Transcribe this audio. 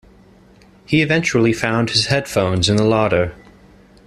He eventually found his headphones in the larder.